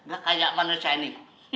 gak kayak manusia ini